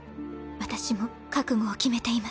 私も覚悟を決めています。